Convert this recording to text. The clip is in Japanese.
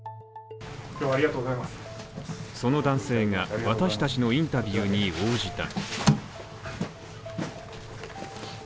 その男性が私達のインタビューに応じた。